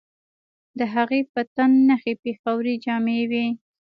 د هغې په تن نخي پېښورۍ جامې وې